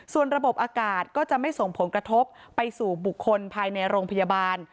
ส่วนระบบอากาศก็จะไม่ส่งผลกระทบไปสู่บุคคลภายในโรงพยาบาล